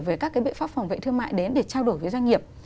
về các biện pháp phòng vệ thương mại đến để trao đổi với doanh nghiệp